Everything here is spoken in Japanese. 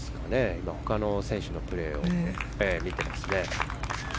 他の選手のプレーを見てますね。